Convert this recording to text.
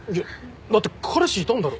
だって彼氏いたんだろ？